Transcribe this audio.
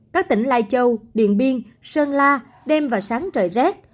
các tỉnh lai châu điện biên sơn la đêm và sáng trời rét